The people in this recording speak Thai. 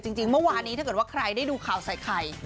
จริงเมื่อวานนี้ถ้าเกิดว่าใครได้ดูข่าวใส่ไข่